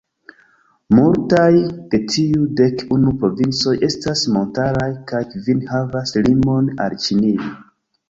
Multaj de tiuj dek unu provincoj estas montaraj, kaj kvin havas limon al Ĉinio.